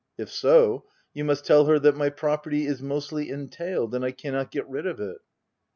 If so, you must tell her that my property is mostly entailed, and I cannot get rid of it.